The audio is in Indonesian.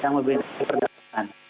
yang lebih lebih berjalan